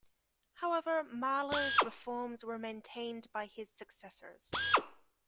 However, Mahler's reforms were maintained by his successors.